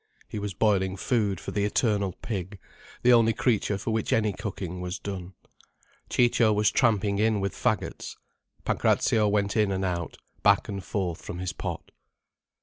He was boiling food for the eternal pig—the only creature for which any cooking was done. Ciccio was tramping in with faggots. Pancrazio went in and out, back and forth from his pot.